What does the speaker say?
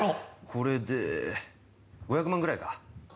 これで５００万ぐらいか？